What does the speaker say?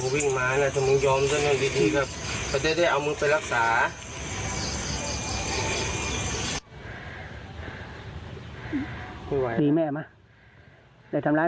พระเจ้าจะเอามึงไปรักษา